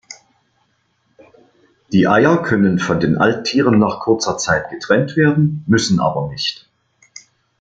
Die Eier können von den Alttieren nach kurzer Zeit getrennt werden, müssen aber nicht.